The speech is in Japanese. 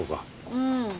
うん。